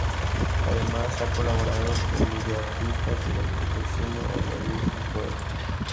Además, ha colaborado con video-artistas, directores de cine, bailarines y poetas.